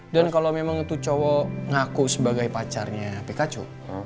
dan kalo memang itu cowok ngaku sebagai pacarnya pikachu